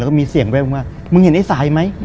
แล้วก็มีเสียงแวบว่ามึงเห็นไอ้สายไหม